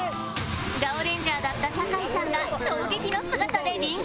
ガオレンジャーだった酒井さんが衝撃の姿でリングデビュー